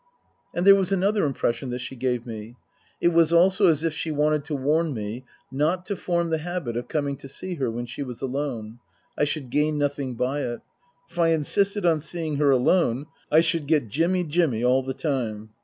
And there was another impression that she gave me. It was also as if she wanted to warn me not to form the habit of coming to see her when she was alone. I should gain nothing by it. If I insisted on seeing her alone I should get Jimmy, Jimmy, all the time.